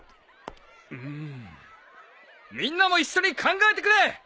うーんみんなも一緒に考えてくれ。